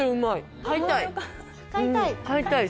買いたい。